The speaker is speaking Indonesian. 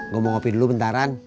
gue mau kopi dulu bentaran